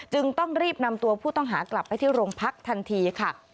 ต้องรีบนำตัวผู้ต้องหากลับไปที่โรงพักทันทีค่ะ